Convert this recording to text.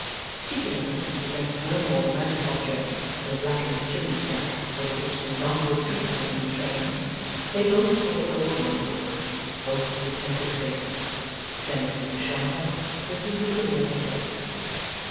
Seated on it, against no more romantic object than a blackened chimney stack over which some bumble creeper had been trained, they both pored over one book; both with attentive faces; Jenny with the sharper; Lizzie with the more perplexed.